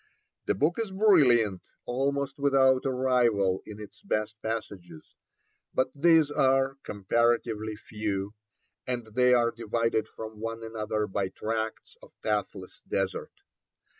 The book is brilliant almost without a rival in its best passages, but these are comparatively few, and they are divided from one another by tracts of pathless desert.